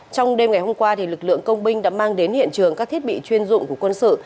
trong đêm ngày hôm qua lực lượng công binh đã mang đến hiện trường các thiết bị chuyên dụng của quân sự